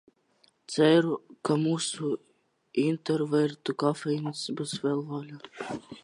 Ceru, ka mūsu intravertu kafejnīca būs vēl vaļā.